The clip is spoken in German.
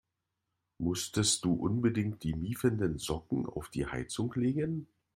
Musstest du unbedingt die miefenden Socken auf die Heizung legen?